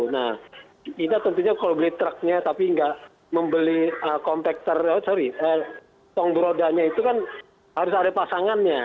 nah kita tentunya kalau beli truknya tapi nggak membeli kompakter sorry tong berodanya itu kan harus ada pasangannya